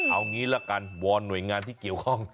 เอางี้ละกันวอนหน่วยงานที่เกี่ยวข้อง